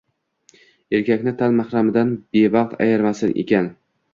Erkakni tan mahramidan bevaqt ayirmasin ekan